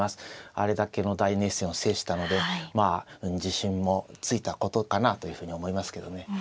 あれだけの大熱戦を制したのでまあ自信もついたことかなというふうに思いますけどね。